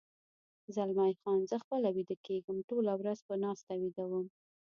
زلمی خان: زه خپله ویده کېږم، ټوله ورځ په ناسته ویده وم.